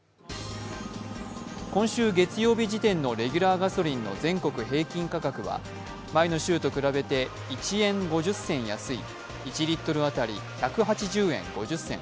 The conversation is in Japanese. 今週月曜日時点のレギュラーシーズンの全国平均価格は前の週と比べて１円５０銭安い、１リットル当たり１８０円５０銭。